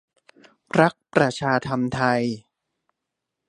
พรรคประชาธรรมไทย